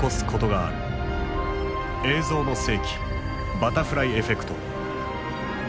「映像の世紀バタフライエフェクト」。